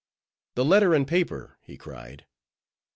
"The letter and paper," he cried.